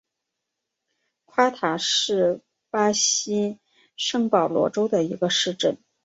夸塔是巴西圣保罗州的一个市镇。